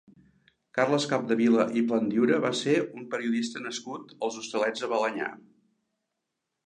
Carles Capdevila i Plandiura va ser un periodista nascut als Hostalets de Balenyà.